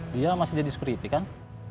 dia masih jadi security kan